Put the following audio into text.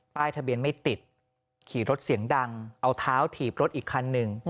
ทะเบียนไม่ติดขี่รถเสียงดังเอาเท้าถีบรถอีกคันหนึ่ง